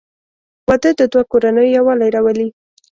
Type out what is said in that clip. • واده د دوه کورنیو یووالی راولي.